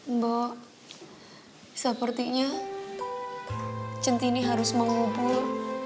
mbok sepertinya centini harus mengubur